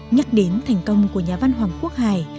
nhắc đến thành công của nhà văn hoàng quốc hải